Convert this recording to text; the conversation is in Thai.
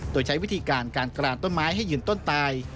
โดยใช้วิธีการการกรานต้นไม้ให้ยืนต้นตาย